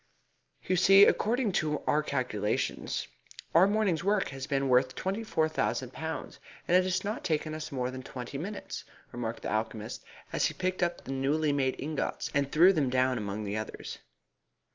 "You see, according to our calculations, our morning's work has been worth twenty four thousand pounds, and it has not taken us more than twenty minutes," remarked the alchemist, as he picked up the newly made ingots, and threw them down among the others.